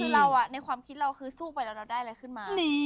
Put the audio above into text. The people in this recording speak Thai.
คือเราในความคิดเราคือสู้ไปแล้วเราได้อะไรขึ้นมา